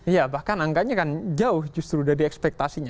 iya bahkan angkanya kan jauh justru dari ekspektasinya